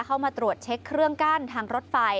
เข้ามาตรวจเช็คเครื่องกั้นทางรถไฟ